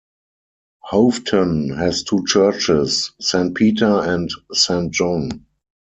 Hoveton has two churches, Saint Peter and Saint John.